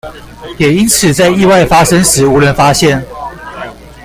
也因此在意外發生時無人發現